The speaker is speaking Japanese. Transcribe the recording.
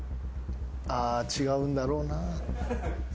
あ違うんだろうな。